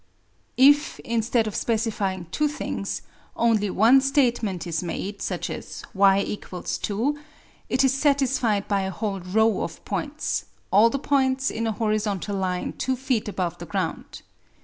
If, instead of specifying two things, only one statement is made, such as y = 2, it is satisfied by a whole row of points, all the points in a horizontal line 2 feet above the ground.